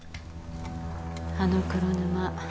あの黒沼